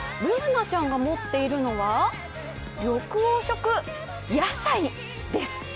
Ｂｏｏｎａちゃんが持っているのは緑黄色野菜です。